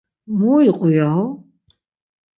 Mu iqu yahu?